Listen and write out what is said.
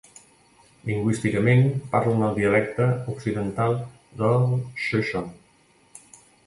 Lingüísticament parlen el dialecte occidental del xoixon.